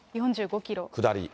下り。